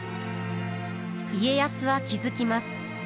家康は気付きます。